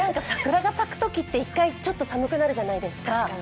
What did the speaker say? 桜が咲くときって、一回ちょっと寒くなるじゃないですか。